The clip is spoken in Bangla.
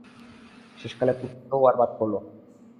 শেষকালে পুটোও আর বাদ পড়ল না।